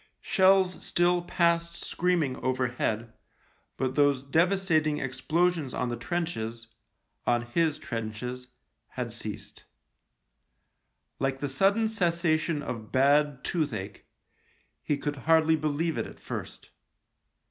Shells still passed screaming over head, but those devastating explosions on the trenches — on his trenches — had ceased. Like the sudden cessation of bad toothache, he could hardfy believe it at first.